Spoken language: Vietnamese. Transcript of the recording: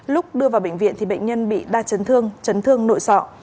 lúc đưa vào bệnh viện thì bệnh nhân bị đa chấn thương chấn thương nội sọ